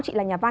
chị là nhà văn